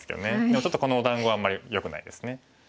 でもちょっとこのお団子はあんまりよくないですね。